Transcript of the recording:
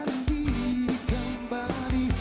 lalirkan diri kembali